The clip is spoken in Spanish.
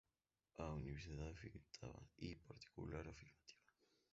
A: Universal Afirmativa, I: Particular Afirmativa.